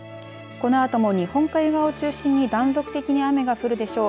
このあとも日本海側を中心に断続的に雨が降るでしょう。